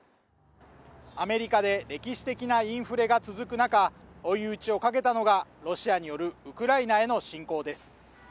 アメリカで歴史的なインフレが続く中追い打ちをかけたのがロシアによるウクライナへの侵攻です